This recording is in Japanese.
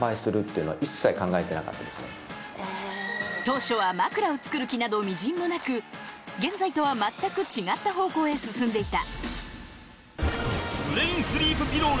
当初は枕を作る気などみじんもなく現在とはまったく違った方向へ進んでいた。